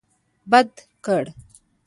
بند کړ